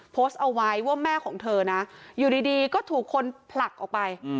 โพสต์เอาไว้ว่าแม่ของเธอนะอยู่ดีก็ถูกคนผลักออกไป